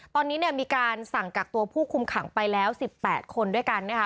ตอนนี้เนี่ยมีการสั่งกักตัวผู้คุมขังไปแล้ว๑๘คนด้วยกันนะคะ